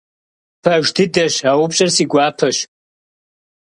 Пэж дыдэщ, а упщӀэр си гуапэщ.